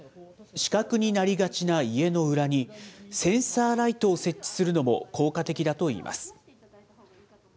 死角になりがちな家の裏に、センサーライトを設置するのも効果的だといいます。